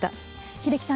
英樹さん